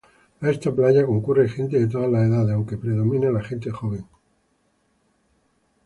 A esta playa concurre gente de todas las edades, aunque predomina la gente joven.